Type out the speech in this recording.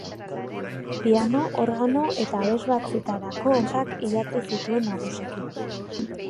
Piano, organo eta abesbatzetarako obrak idatzi zituen nagusiki.